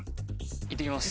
いってきます。